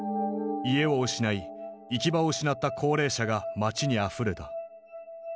家を失い行き場を失った高齢者が街にあふれた。